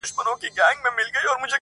جنت ته تګ او نه تګ اوس هم